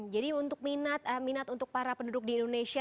jadi untuk minat minat untuk para penduduk di indonesia